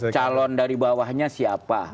calon dari bawahnya siapa